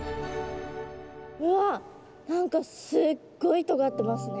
うわ何かすっごいとがってますね。